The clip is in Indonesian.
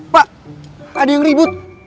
pak ada yang ribut